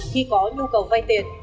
khi có nhu cầu vay tiền